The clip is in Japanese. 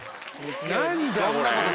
何だこれ。